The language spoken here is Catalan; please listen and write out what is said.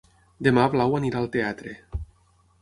Demà na Blau anirà al teatre.